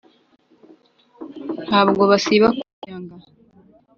ntabwo basiba kunyaga.